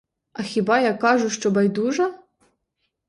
А хіба я кажу, що байдужа?